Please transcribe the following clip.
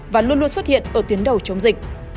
và luôn luôn xuất hiện ở tuyến đầu chống dịch